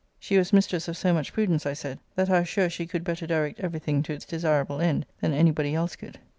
She was mistress of so much prudence, I said, that I was sure she could better direct every thing to its desirable end, than any body else could.